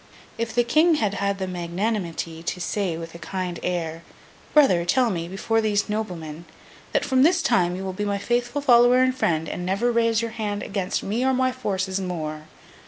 If the King had had the magnanimity to say with a kind air, 'Brother, tell me, before these noblemen, that from this time you will be my faithful follower and friend, and never raise your hand against me or my forces more!